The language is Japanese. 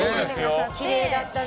きれいだったね。